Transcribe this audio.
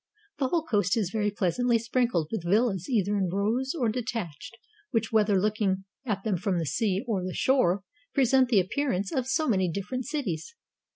The whole coast is very pleasantly sprinkled with villas either in rows or detached, which, whether looking at them from the sea or the shore, present the appearance of so many different cities.